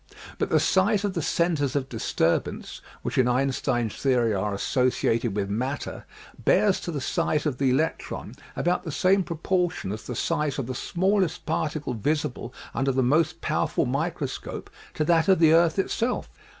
"But the size of the centers of disturbance, which in Ein stein's theory are associated with matter, bears to the size of the electron about the same proportion as the size of the smallest particle visible under the most powerful microscope to that of the earth itself."